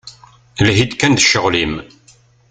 Lhi-d kan d ccɣel-im.